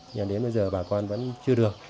nhưng đến bây giờ bà con vẫn chưa được